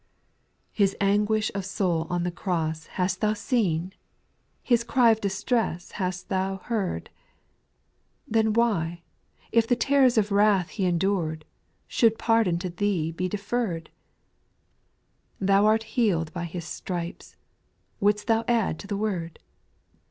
4. His anguish of soul on the cross hast thou seen ? His cry of distress hast thou heard ? Then why, if the terrors of wrath He en dured. Should pardon to thee be deferred ? 5. Thou art healed by His stripes, (would'st thou add to the word